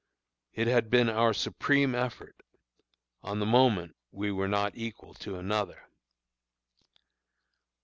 It had been our supreme effort; on the moment we were not equal to another.